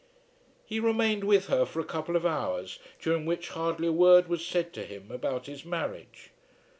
He remained with her for a couple of hours, during which hardly a word was said to him about his marriage.